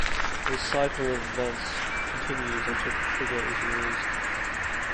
This cycle of events continues until the trigger is released.